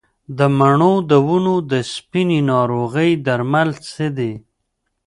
د مڼو د ونو د سپینې ناروغۍ درمل څه دي؟